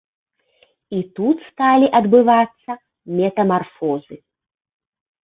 І тут сталі адбывацца метамарфозы.